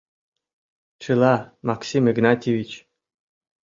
— Чыла, Максим Игнатьевич.